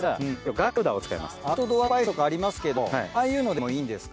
アウトドアスパイスとかありますけどああいうのでもいいんですか？